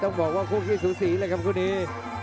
ต้องบอกว่าคู่ขี้สูสีเลยครับคู่นี้